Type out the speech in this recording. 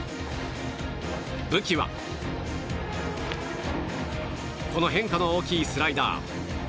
武器はこの変化の大きいスライダー。